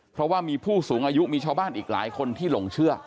เพราะว่ามีผู้สูงอายุมีชาวบ้านอีกหลายคนที่หลงเชื่อ